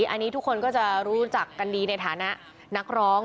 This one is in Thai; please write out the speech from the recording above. อันนี้ทุกคนก็จะรู้จักกันดีในฐานะนักร้อง